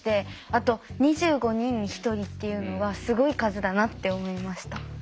あと２５人に１人っていうのはすごい数だなって思いました。